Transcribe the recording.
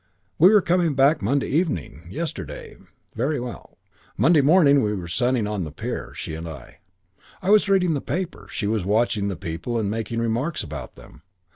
We were coming back Monday evening. Yesterday. Very well. Monday morning we were sunning on the pier, she and I. I was reading the paper, she was watching the people and making remarks about them.